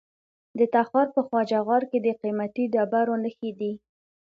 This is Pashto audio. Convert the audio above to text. د تخار په خواجه غار کې د قیمتي ډبرو نښې دي.